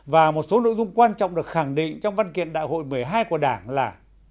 và một số nội dung quan trọng được khẳng định trong văn kiện đại hội một mươi hai của đảng là